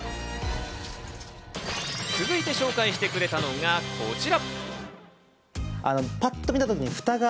続いて紹介してくれたのがこちら。